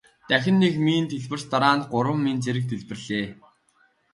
Дахин нэг мин дэлбэрч дараа нь гурван мин зэрэг дэлбэрлээ.